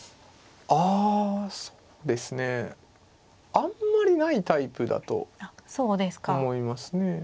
あそうですねあんまりないタイプだと思いますね。